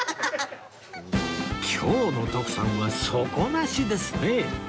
今日の徳さんは底なしですね